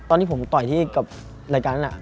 ตอนที่ผมต่อยที่กับรายการนั้น